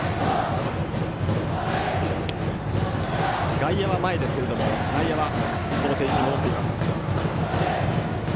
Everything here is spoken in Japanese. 外野は前ですが内野はほぼ定位置に戻っています。